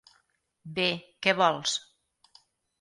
Bé, què vols?